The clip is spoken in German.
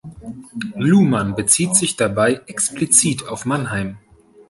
Luhmann bezieht sich dabei explizit auf Mannheim.